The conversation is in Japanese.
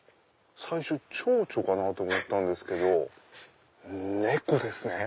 最初チョウチョかと思ったけど猫ですね。